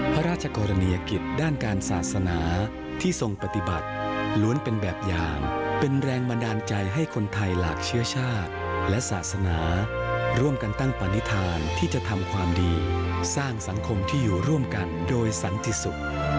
พระราชกรณียกิจด้านการศาสนาที่ทรงปฏิบัติล้วนเป็นแบบอย่างเป็นแรงบันดาลใจให้คนไทยหลากเชื้อชาติและศาสนาร่วมกันตั้งปณิธานที่จะทำความดีสร้างสังคมที่อยู่ร่วมกันโดยสันติสุข